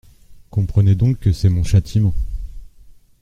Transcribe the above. «Comprenez donc que c’est mon châtiment.